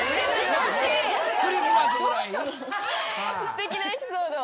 すてきなエピソード。